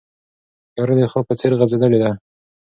تیاره د خوب په څېر غځېدلې وه.